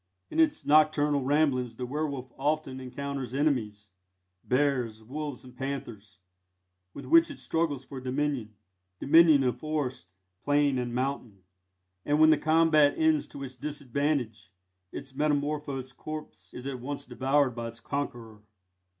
In its nocturnal ramblings the werwolf often encounters enemies bears, wolves, and panthers with which it struggles for dominion dominion of forest, plain and mountain; and when the combat ends to its disadvantage, its metamorphosed corpse is at once devoured by its conqueror.